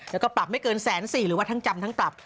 แล้วก็ปรับไม่เกินแสนสี่หรือว่าทั้งจำทั้งปรับ